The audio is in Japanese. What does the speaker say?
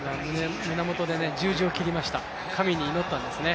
胸元で十字を切りました、神に祈ったんですね。